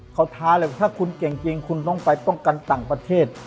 เขาท้าเลยว่าถ้าคุณเก่งจริงคุณต้องไปป้องกันต่างประเทศ